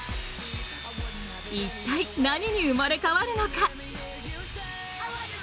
一体、何に生まれ変わるのか？